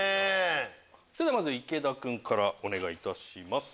まず池田君からお願いいたします。